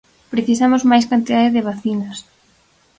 Precisamos máis cantidade de vacinas.